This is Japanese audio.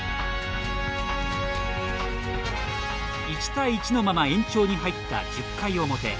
１対１のまま延長に入った１０回表。